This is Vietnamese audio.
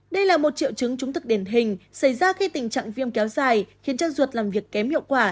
đây là một triệu chứng trúng thực đền hình xảy ra khi tình trạng viêm kéo dài khiến chân ruột làm việc kém hiệu quả